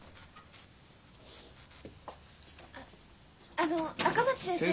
あっあの赤松先生。